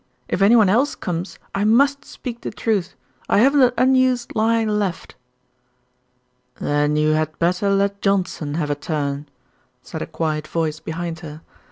If anyone else comes I must speak the truth. I haven't an unused lie left." "Then you had better let Johnson have a turn," said a quiet voice behind her.